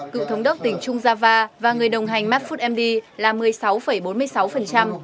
cựu thống đốc tỉnh trung java và người đồng hành maffud md là một mươi sáu bốn mươi sáu